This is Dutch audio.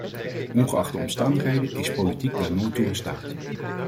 Ongeacht de omstandigheden is politiek daar nooit toe in staat.